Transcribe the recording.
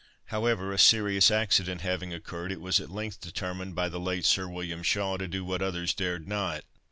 However, a serious accident having occurred, it was at length determined by the late Sir William Shaw, to do what others dared not.